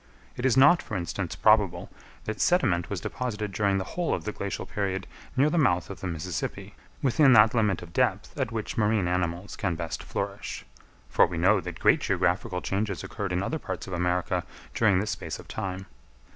It is not, for instance, probable that sediment was deposited during the whole of the glacial period near the mouth of the Mississippi, within that limit of depth at which marine animals can best flourish: for we know that great geographical changes occurred in other parts of America during this space of time.